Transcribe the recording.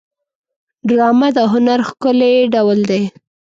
ډرامه د هنر ښکلی ډول دی